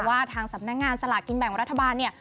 ว่าทางสำนักงานสลากกินแบ่งรัฐบาลเนี่ย